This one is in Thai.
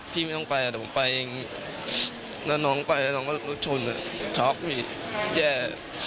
พี่ไม่ต้องไปเดี๋ยวผมไปเองแล้วน้องไปแล้วน้องก็ชนช็อคพี่แย่